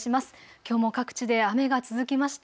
きょうも各地で雨が続きました。